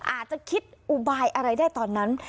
อาจจะคิดอุบายอะไรได้ตอนนั้น